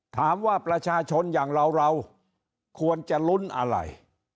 ถามว่าประชาชนอย่างเราเราควรจะลุ้นอะไร